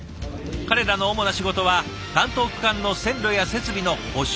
彼らの主な仕事は担当区間の線路や設備の保守管理。